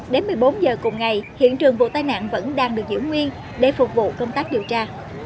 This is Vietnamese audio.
đến một mươi bốn giờ cùng ngày hiện trường vụ tai nạn vẫn đang được giữ nguyên để phục vụ công tác điều tra